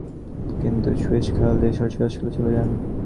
তিনি সুয়েজ খাল দিয়ে সরাসরি অস্ট্রেলিয়া চলে যান।